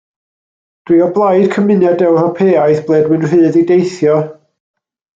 Dw i o blaid Cymuned Ewropeaidd ble dw i'n rhydd i deithio.